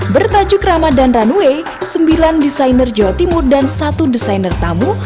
bertajuk ramadan runway sembilan desainer jawa timur dan satu desainer tamu